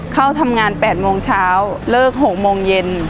เข้าทำงาน๘โมงเช้าเลิก๖โมงเย็น